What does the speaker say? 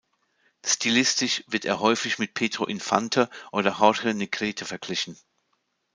Stilistisch wird er häufig mit Pedro Infante oder Jorge Negrete verglichen.